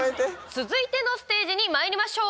続いてのステージにまいりましょう。